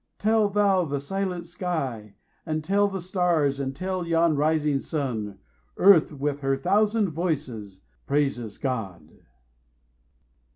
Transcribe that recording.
tell thou the silent sky, And tell the stars, and tell yon rising sun Earth, with her thousand voices, praises GOD.